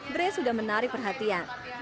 bre sudah menarik perhatian